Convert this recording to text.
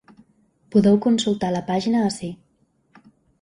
Podeu consultar la pàgina ací.